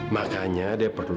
makanya dia perlu